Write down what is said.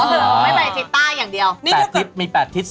ไม่ไปทิศใต้อย่างเดียว